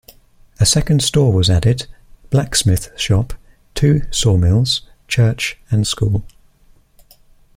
A second store was added, blacksmith shop, two sawmills, church and school.